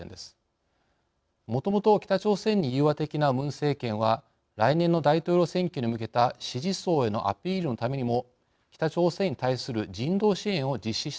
もともと北朝鮮に融和的なムン政権は来年の大統領選挙に向けた支持層へのアピールのためにも北朝鮮に対する人道支援を実施したい考えです。